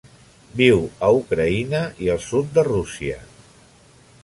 Viu a Ucraïna i el sud de Rússia.